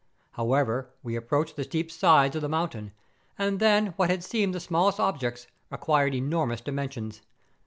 However, we approached the steep sides of the mountain, and then what had seemed the smallest ob¬ jects acquired enormous dimensions.